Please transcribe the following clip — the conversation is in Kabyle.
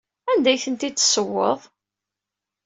Anda ay ten-id-tessewweḍ?